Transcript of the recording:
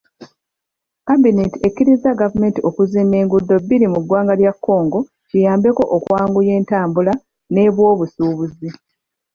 Kabbineeti ekkiriza gavumenti okuzimba enguudo bbiri mu ggwanga lya Congo kiyambeko okwanguya entambula n'ebwobusubuzi.